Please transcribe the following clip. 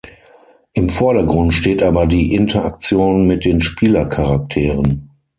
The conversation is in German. Im Vordergrund steht aber die Interaktion mit den Spieler-Charakteren.